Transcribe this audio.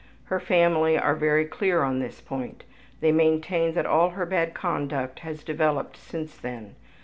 Her family are very clear on this point; they maintain that all her bad conduct has developed since then.